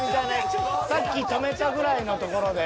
［さっき止めたぐらいのところで］